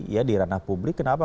ya di ranah publik kenapa